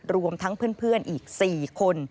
รวมทั้งเพื่อนอีก๔คน